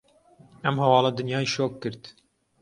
ئەم هەواڵە دنیای شۆک کرد.